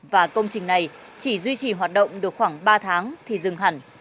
và công trình này chỉ duy trì hoạt động được khoảng ba tháng thì dừng hẳn